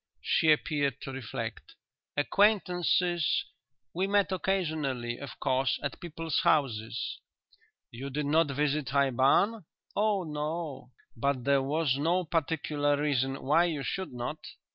She appeared to reflect. "Acquaintances.... We met occasionally, of course, at people's houses." "You did not visit High Barn?" "Oh no." "But there was no particular reason why you should not?"